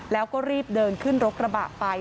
แล้วก็รีบเดินขึ้นรถกระบะไป